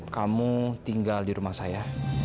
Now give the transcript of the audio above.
kamu tinggal di rumah saya